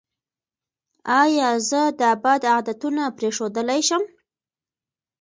ایا زه دا بد عادتونه پریښودلی شم؟